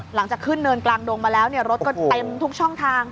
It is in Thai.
หลังจากขึ้นเนินกลางดงมาแล้วรถก็เต็มทุกช่องทาง